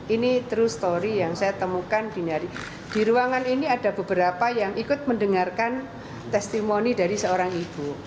ini true story yang saya temukan di ruangan ini ada beberapa yang ikut mendengarkan testimoni dari seorang ibu